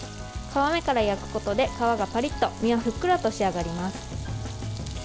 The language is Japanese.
皮目から焼くことで皮はパリッと身はふっくらと仕上がります。